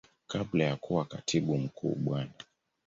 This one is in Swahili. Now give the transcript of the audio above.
Kabla ya kuwa Katibu Mkuu Bwana.